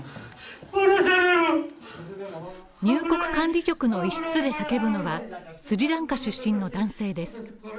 入国管理局の一室で叫ぶのはスリランカ出身の男性です。